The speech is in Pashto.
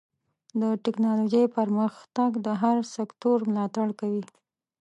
د ټکنالوجۍ پرمختګ د هر سکتور ملاتړ کوي.